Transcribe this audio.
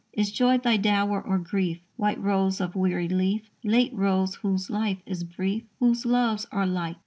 Is joy thy dower or grief, White rose of weary leaf, Late rose whose life is brief, whose loves are light?